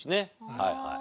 はいはい。